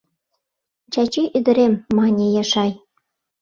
— Чачи ӱдырем, — мане Яшай.